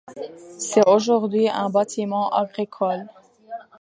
C'est aujourd'hui un bâtiment agricole.